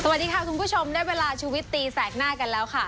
สวัสดีค่ะคุณผู้ชมได้เวลาชุวิตตีแสกหน้ากันแล้วค่ะ